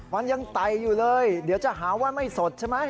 มันยังไต่อยู่เลยเดี๋ยวจะหาว่าไม่สดใช่ไหม